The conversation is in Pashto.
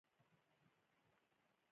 یو ماسپښین هغه په کور کې یوازې پاتې شوی و